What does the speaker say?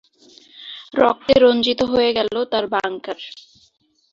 রক্তে রঞ্জিত হয়ে গেল তার বাংকার।